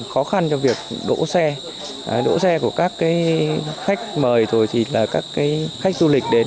khó khăn cho việc đổ xe đổ xe của các khách mời rồi thì là các khách du lịch đến